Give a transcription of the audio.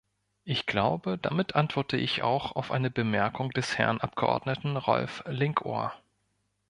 Ich glaube, damit antworte ich auch auf eine Bemerkung des Herrn Abgeordneten Rolf Linkohr.